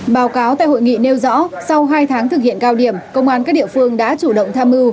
báo cáo tại hội nghị nêu rõ sau hai tháng thực hiện cao điểm công an các địa phương đã chủ động tham mưu